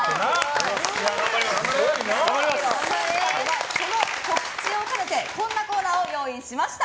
今回はその告知を兼ねてこんなコーナーを用意しました。